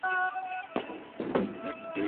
هغه کتابونه ولوله چي استاد درته ښودلي دي.